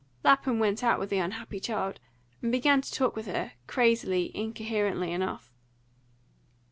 Lapham went out with the unhappy child, and began to talk with her, crazily, incoherently, enough.